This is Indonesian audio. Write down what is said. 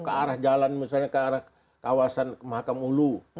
ke arah jalan misalnya ke arah kawasan mahakamulu